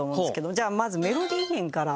じゃあまずメロディ弦から。